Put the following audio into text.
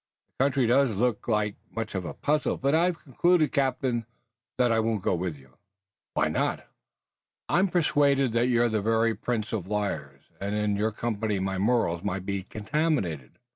"The country does look like much of a puzzle, but I've concluded, captain, that I won't go with you." "Why not?" "I'm persuaded that you're the very prince of liars, and in your company my morals might be contaminated."